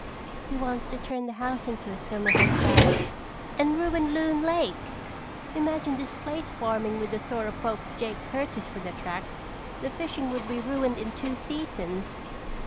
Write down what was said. He wants to turn the house into a summer hotel." "And ruin Loon Lake. Imagine this place swarming with the sort of folks Jake Curtis would attract. The fishing would be ruined in two seasons!"